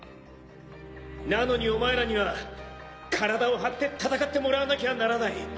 なのにお前らには体を張って戦ってもらわなきゃならない。